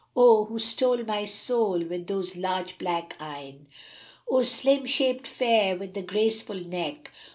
* O who stole my soul with those large black eyne! O slim shaped fair with the graceful neck!